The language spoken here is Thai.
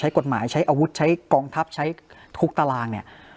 กฎหมายใช้อาวุธใช้กองทัพใช้ทุกตารางเนี่ย